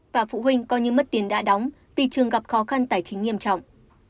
và phụ huynh coi như mất tiền đã đóng vì trường gặp khó khăn tài chính nghiêm trọng